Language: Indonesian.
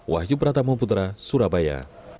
wahyu pratamu putra surabaya